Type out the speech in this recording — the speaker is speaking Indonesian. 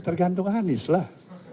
tergantung anis lah